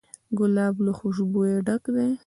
ګلاب له خوشبویۍ ډک دی.